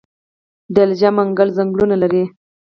د لجه منګل ځنګلونه لري